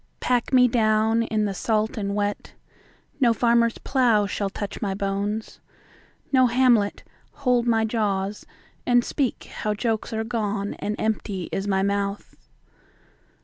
Pack me down in the salt and wet.No farmer's plow shall touch my bones.No Hamlet hold my jaws and speakHow jokes are gone and empty is my mouth.